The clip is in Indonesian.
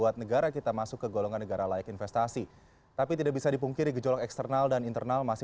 terima kasih sudah bergabung bersama kami